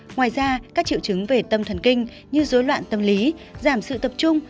ngoài ra các triệu chứng về tâm thần kinh như dối loạn tâm lý giảm sự tập trung